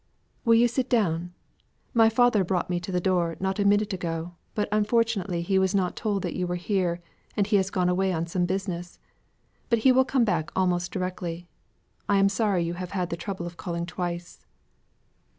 "Will you sit down. My father brought me to the door not a minute ago, but unfortunately he was not told that you were here, and he has gone away on some business. But he will come back almost directly. I am sorry you have had the trouble of calling twice."